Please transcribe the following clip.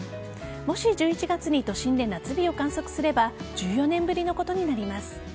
もし１１月に都心で夏日を観測すれば１４年ぶりのことになります。